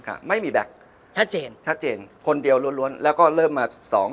ค่ะไม่มีแบ็คชัดเจนชัดเจนคนเดียวรวมรวมแล้วก็เริ่มมาสอง